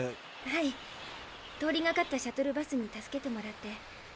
はい通りがかったシャトルバスに助けてもらって。